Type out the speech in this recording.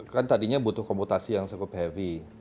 kan tadinya butuh komputasi yang cukup heavy